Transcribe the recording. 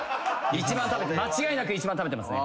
間違いなく一番食べてますね。